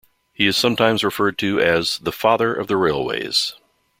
He is sometimes referred to as the "Father of the Railways".